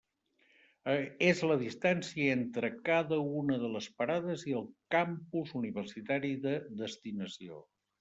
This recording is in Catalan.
És la distància entre cada una de les parades i el campus universitari de destinació.